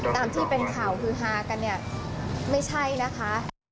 ตามที่เป็นข่าวฮือฮากันเนี่ยไม่ใช่นะคะ